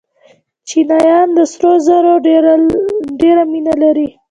چینایان د سرو زرو ډېره مینه لري.